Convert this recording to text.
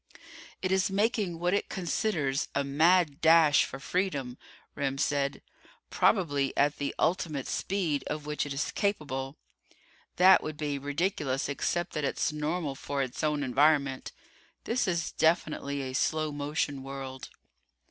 "It is making what it considers a mad dash for freedom," Remm said. "Probably at the ultimate speed of which it is capable. That would be ridiculous except that it's normal for its own environment. This is definitely a slow motion world."